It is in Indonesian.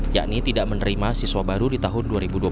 yakni tidak menerima siswa baru di tahun dua ribu dua puluh